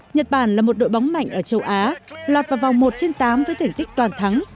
nhật bản là một đội bóng mạnh ở châu á lọt vào vòng một trên tám với thành tích toàn thắng